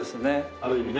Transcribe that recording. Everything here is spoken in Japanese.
ある意味ね。